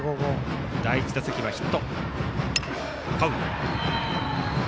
第１打席はヒット。